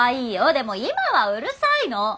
でも今はうるさいの。